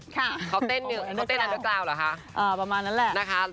ค่ะเขาเต้นอันเดอร์กราวเหรอคะอ่าประมาณนั้นแหละ